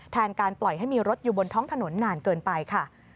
การปล่อยให้มีรถอยู่บนท้องถนนนานเกินไปค่ะ